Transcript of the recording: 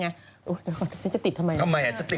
อุ๊ยเดี๋ยวก่อนฉันจะติดทำไมอ่ะทำไมอ่ะจะติดเสื้อ